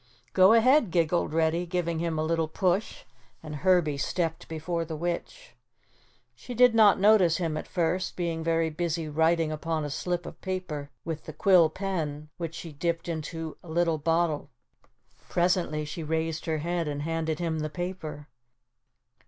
"Go ahead," giggled Reddy, giving him a little push and Herbie stepped before the witch. She did not notice him at first, being very busy writing upon a slip of paper with the quill pen which she dipped into a little bottle. Presently she raised her head and handed him the paper.